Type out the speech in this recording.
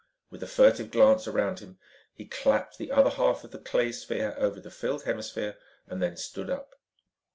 With a furtive glance around him, he clapped the other half of the clay sphere over the filled hemisphere and then stood up.